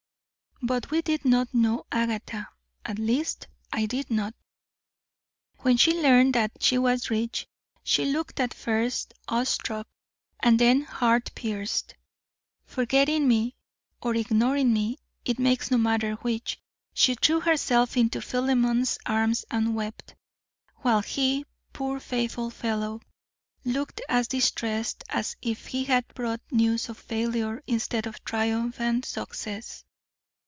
But we did not know Agatha; at least I did not. When she learned that she was rich, she looked at first awestruck and then heart pierced. Forgetting me, or ignoring me, it makes no matter which, she threw herself into Philemon's arms and wept, while he, poor faithful fellow, looked as distressed as if he had brought news of failure instead of triumphant success.